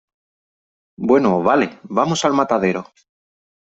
bueno , vale , vamos al matadero .